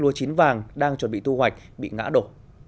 lúa chín vàng đang chuẩn bị thu hoạch bị ngã đổ